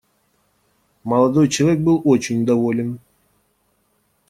Молодой человек был очень доволен.